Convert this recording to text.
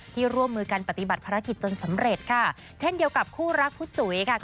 ร่วมมือกันปฏิบัติภารกิจจนสำเร็จค่ะเช่นเดียวกับคู่รักผู้จุ๋ยค่ะ